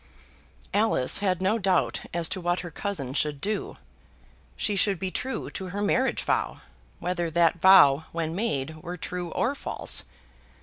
Alice had no doubt as to what her cousin should do. She should be true to her marriage vow, whether that vow when made were true or false.